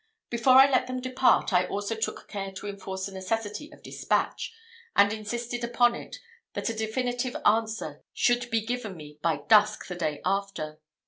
Before I let them depart, I also took care to enforce the necessity of despatch, and insisted upon it that a definitive answer should be given me by dusk the day after.